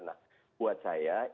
nah buat saya